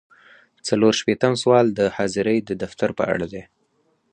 څلور شپیتم سوال د حاضرۍ د دفتر په اړه دی.